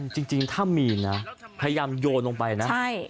จริงถ้ามีนะพยายามโยนลงไปนะ